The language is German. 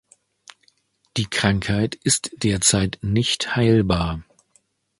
Die Krankheit ist derzeit nicht heilbar.